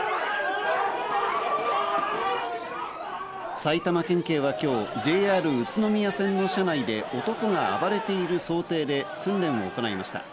埼玉県警は今日、ＪＲ宇都宮線の車内で男が暴れている想定で訓練を行いました。